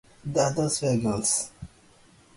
The others were girls.